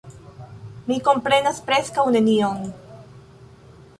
Mi komprenas preskaŭ nenion.